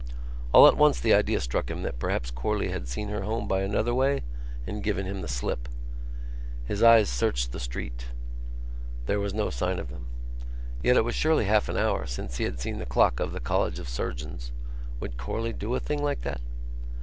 All at once the idea struck him that perhaps Corley had seen her home by another way and given him the slip. His eyes searched the street: there was no sign of them. Yet it was surely half an hour since he had seen the clock of the College of Surgeons. Would Corley do a thing like that?